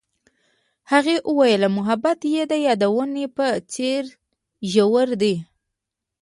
هغې وویل محبت یې د یادونه په څېر ژور دی.